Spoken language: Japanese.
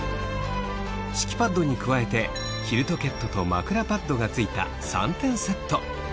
敷きパッドに加えてキルトケットと枕パッドが付いた３点セット